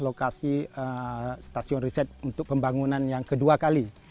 lokasi stasiun riset untuk pembangunan yang kedua kali